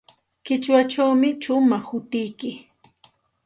Qichwachawmi shumaq hutiyki.